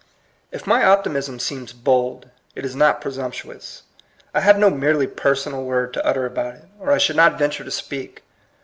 If my optimism seems bold, it is not presumptuous. I have no merely personal word to utter about it, or I should not venture to speak.